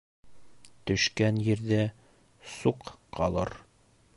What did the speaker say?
Төшкән ерҙә суҡ ҡалыр.